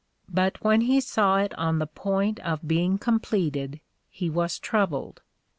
But when he saw it on the point of being com pleted, he was troubled.